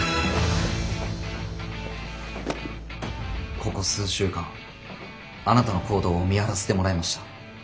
ここ数週間あなたの行動を見張らせてもらいました。